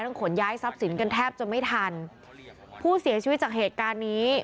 ขนย้ายทรัพย์สินกันแทบจะไม่ทันผู้เสียชีวิตจากเหตุการณ์นี้